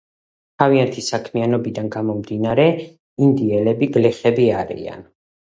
თავიანთი საქმიანობიდან გამომდინარე, ინდიელები გლეხები არიან.